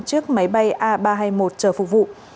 chiếc máy bay a ba trăm hai mươi một chờ phục vụ